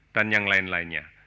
dan yang lain lainnya